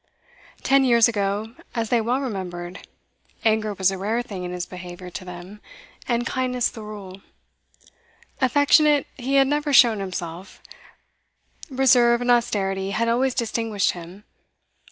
Ten years ago, as they well remembered, anger was a rare thing in his behaviour to them, and kindness the rule. Affectionate he had never shown himself; reserve and austerity had always distinguished him.